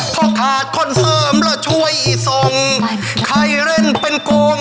เพราะขาดคนเสริมแล้วช่วยอีสงใครเล่นเป็นโกง